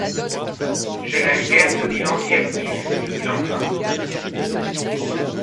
Je n'aime guère ce bilan si actif, dit-il enfin.